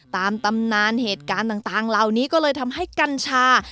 ตำนานเหตุการณ์ต่างเหล่านี้ก็เลยทำให้กัญชา